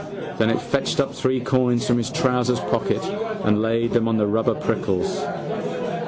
Then it fetched up three coins from his trousers' pocket and laid them on the rubber prickles.